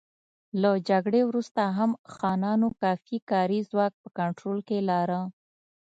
له جګړې وروسته هم خانانو کافي کاري ځواک په کنټرول کې لاره.